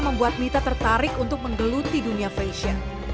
membuat mita tertarik untuk menggeluti dunia fashion